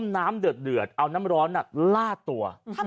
น้ำเดือดเอาน้ำร้อนลาดตัว